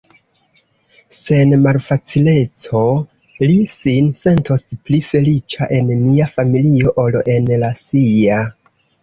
Sen malfacileco li sin sentos pli feliĉa en nia familio ol en la sia.